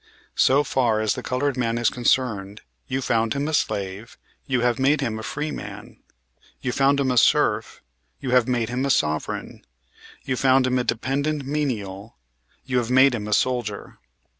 So far as the colored man is concerned, you found him a slave; you have made him a free man. You found him a serf; you have made him a sovereign. You found him a dependent menial; you have made him a soldier.